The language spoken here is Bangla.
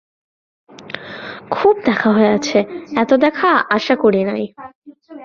খুব দেখা হইয়াছে–এত দেখা আশা করি নাই।